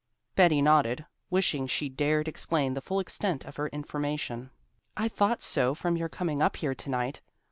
Betty nodded, wishing she dared explain the full extent of her information. "I thought so from your coming up here to night.